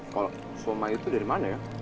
kalau voma itu dari mana ya